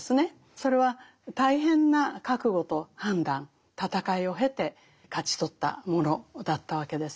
それは大変な覚悟と判断闘いを経て勝ち取ったものだったわけです。